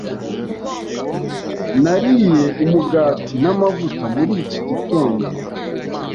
Nariye umugati n'amavuta muri iki gitondo.